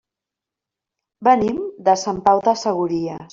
Venim de Sant Pau de Segúries.